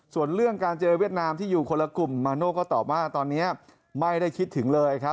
ส่วนเรื่องการเจอเวียดนามที่อยู่คนละกลุ่มมาโน่ก็ตอบว่าตอนนี้ไม่ได้คิดถึงเลยครับ